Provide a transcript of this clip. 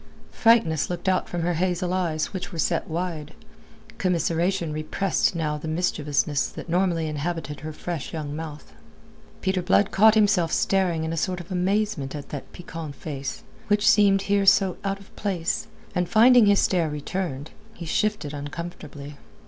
Frankness looked out from her hazel eyes which were set wide; commiseration repressed now the mischievousness that normally inhabited her fresh young mouth. Peter Blood caught himself staring in a sort of amazement at that piquant face, which seemed here so out of place, and finding his stare returned, he shifted uncomfortably.